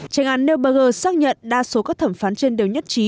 tránh án neuberger xác nhận đa số các thẩm phán trên điều nhất trí